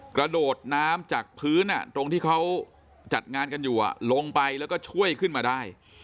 กระโดดน้ำจากพื้นตรงที่เขาจัดงานกันอยู่ลงไปแล้วก็ช่วยขึ้นมาได้